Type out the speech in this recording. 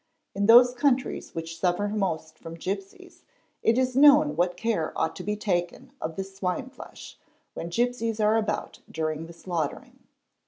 In those countries which suffer most from gipsies it is known what care ought to be taken of the swine flesh when gipsies are about during the slaughtering.